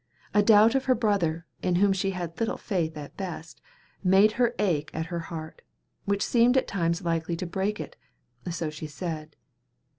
A doubt of her brother, in whom she had little faith at best, made an ache at her heart, which seemed at times likely to break it so she said.